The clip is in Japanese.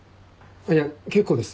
いや結構です。